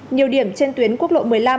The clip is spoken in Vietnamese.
nhiều điểm trên tuyến quốc lộ một mươi năm